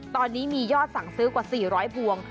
ตอนนี้มียอดสั่งซื้อกว่า๔๐๐พวง